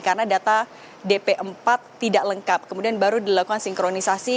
karena data dp empat tidak lengkap kemudian baru dilakukan sinkronisasi